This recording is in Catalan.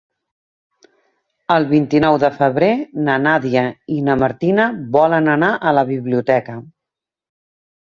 El vint-i-nou de febrer na Nàdia i na Martina volen anar a la biblioteca.